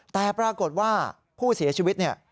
แต่ปรากฏว่าผู้เสียชีวิตเนี่ย